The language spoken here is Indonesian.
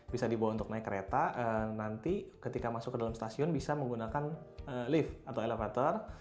bisa dibawa untuk naik kereta nanti ketika masuk ke dalam stasiun bisa menggunakan lift atau elevator